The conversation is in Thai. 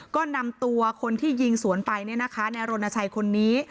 ก็นำตัวคนที่ยิงสวนไปในรณชัยคนนี้